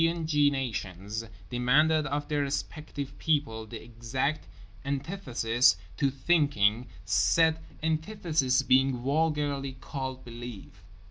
and g. nations demanded of their respective peoples the exact antithesis to thinking; said antitheses being vulgarly called Belief.